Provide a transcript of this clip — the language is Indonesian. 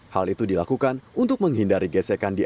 hal itu dilakukan untuk menghindari gesekan diantara kedua pasangan calon